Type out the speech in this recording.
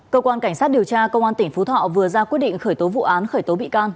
cơ quan cảnh sát điều tra công an tỉnh phú thọ vừa ra quyết định khởi tố vụ án khởi tố bị can